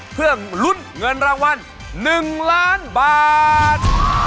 เพื่อลุ้นเงินรางวัล๑ล้านบาท